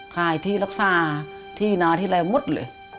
ขายที่รักษาที่นาที่อะไรหมดเลย